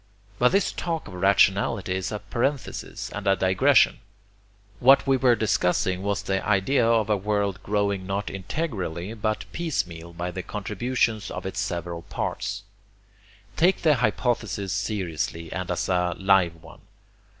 But this talk of rationality is a parenthesis and a digression. What we were discussing was the idea of a world growing not integrally but piecemeal by the contributions of its several parts. Take the hypothesis seriously and as a live one.